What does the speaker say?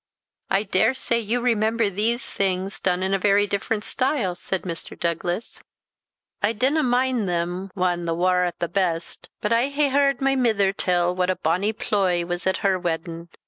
"I daresay you remember these, things done in a very different style?" said Mr. Douglas. "I dinna mind them whan the war at he best; but I hae heard my mither tell what a bonny ploy was at her waddin.